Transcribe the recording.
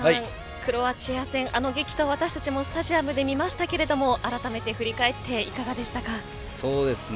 クロアチア戦、あの激闘私たちもスタジアムで見ましたけれどもあらためて振り返ってそうですね。